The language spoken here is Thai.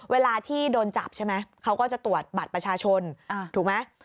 เวลาที่โดนจับใช่ไหมเขาก็จะตรวจบัตรประชาชนถูกไหม